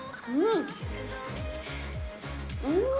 うん！